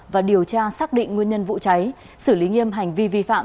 và điều tra xác định nguyên nhân vụ cháy xử lý nghiêm hành vi vi phạm